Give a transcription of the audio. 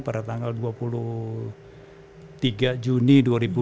pada tanggal dua puluh tiga juni dua ribu dua puluh